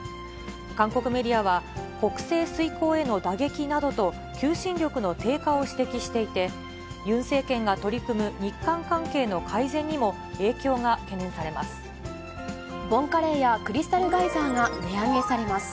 韓国メディアは、国政遂行への打撃などと求心力の低下を指摘していて、ユン政権が取り組む日韓関係の改善にも影響が懸念されます。